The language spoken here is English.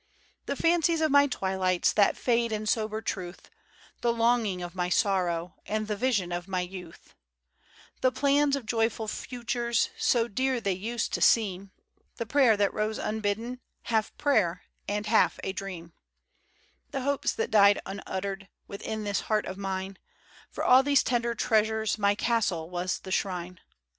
105 The fancies of my twilights That fade in sober truth, The longing of my sorrow, And the vision of my youth ; The plans of joyful futures ; So dear they used to seem ; The prayer that rose unbidden, Half prayer — and half a dream; The hopes that died unuttered Withjn this heart of mine :— For all these tender treasures My castle was the shrine.